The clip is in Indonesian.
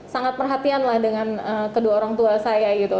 sangat perhatianlah dengan kedua orang tua saya gitu